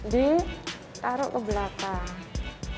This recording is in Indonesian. kita taruh ke belakang